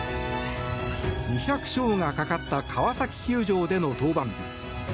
２００勝がかかった川崎球場での登板。